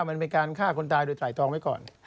มันเป็นการฆ่าคนตายโดยไตรตองไว้ก่อน